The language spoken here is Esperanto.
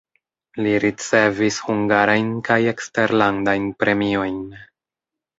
Li ricevis hungarajn kaj eksterlandajn premiojn.